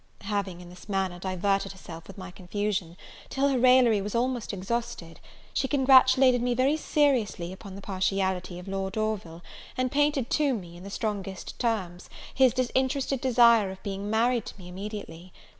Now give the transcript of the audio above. Having, in this manner, diverted herself with my confusion, till her raillery was almost exhausted, she congratulated me very seriously upon the partiality of Lord Orville, and painted to me, in the strongest terms, his disinterested desire of being married to me immediately.